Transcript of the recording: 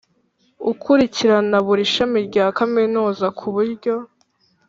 ukurikirana buri shami rya kaminuza, ku buryo